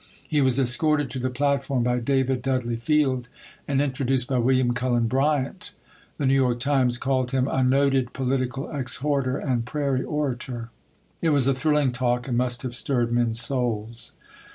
He was escorted to the platform by David Dudley Field and introduced by William Cullen Bryant. The New York Times called him "a noted political exhorter and Prairie orator." It was a thrilling talk and must have stirred men's souls.